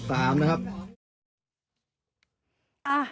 ๒๗๓ค่ะ๒๗๓นะครับ๒๗๓นะครับ